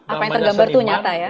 apa yang tergambar itu nyata ya